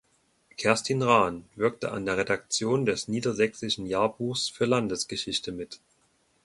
Kerstin Rahn wirkte an der Redaktion des Niedersächsischen Jahrbuchs für Landesgeschichte mit.